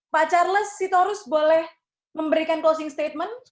pak charles sitorus boleh memberikan closing statement